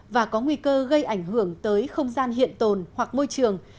và có nguy cơ gây ảnh hưởng tới không gian hiện tồn hoặc môi trường